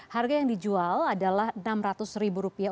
harga yang dijual adalah enam ratus ribu rupiah